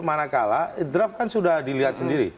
manakala draft kan sudah dilihat sendiri